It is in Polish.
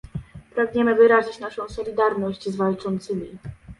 Pragniemy wyrazić naszą solidarność z walczącymi